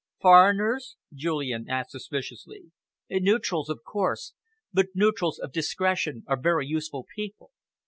"Foreigners?" Julian asked suspiciously. "Neutrals, of course, but neutrals of discretion are very useful people.